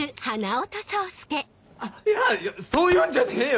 あっやっそういうんじゃねえよ！